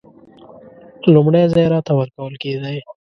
لومړی ځای راته ورکول کېدی.